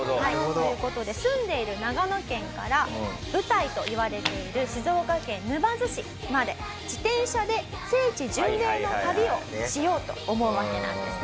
という事で住んでいる長野県から舞台といわれている静岡県沼津市まで自転車で聖地巡礼の旅をしようと思うわけなんですね。